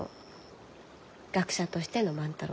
学者としての万太郎さんが。